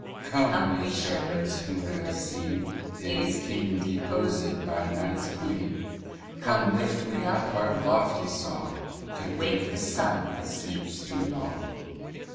COME we shepherds who have seen Day's king deposed by Night's queen. Come lift we up our lofty song, To wake the Sun that sleeps too long.